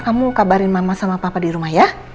kamu kabarin mama sama papa dirumah ya